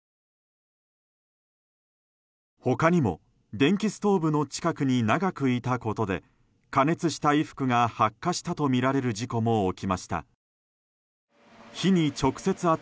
他にも、電気ストーブの近くに長くいたことで加熱した衣服が発火したとみられる事故も起きました。